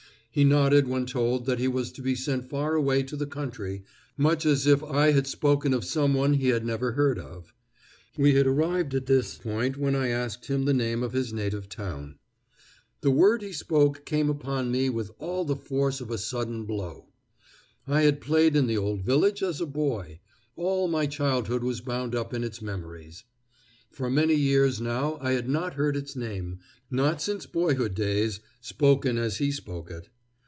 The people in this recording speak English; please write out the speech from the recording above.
He nodded when told that he was to be sent far away to the country, much as if I had spoken of some one he had never heard of. We had arrived at this point when I asked him the name of his native town. The word he spoke came upon me with all the force of a sudden blow. I had played in the old village as a boy; all my childhood was bound up in its memories. For many years now I had not heard its name not since boyhood days spoken as he spoke it.